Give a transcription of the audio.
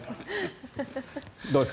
どうですか？